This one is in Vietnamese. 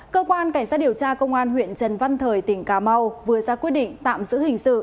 cơ quan cảnh sát điều tra công an huyện trần văn thời tỉnh cà mau vừa ra quyết định tạm giữ hình sự